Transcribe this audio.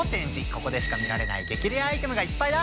ここでしか見られない激レアアイテムがいっぱいだ！